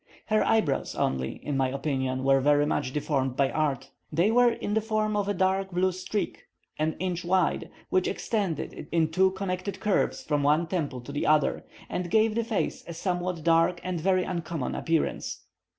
The eyebrows only, in my opinion, were very much deformed by art. They were in the form of a dark blue streak, an inch wide, which extended in two connected curves from one temple to the other, and gave the face a somewhat dark and very uncommon appearance.